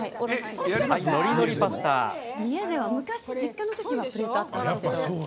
家では昔、実家のときはあったんですけど。